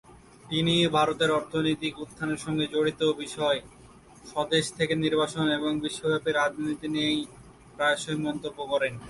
তিনি ভারতের অর্থনৈতিক উত্থানের সঙ্গে জড়িত বিষয়, স্বদেশ থেকে নির্বাসন এবং বিশ্বব্যাপী রাজনীতি নিয়ে প্রায়শই মন্তব্য করেন।